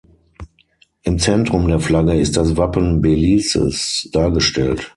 Im Zentrum der Flagge ist das Wappen Belizes dargestellt.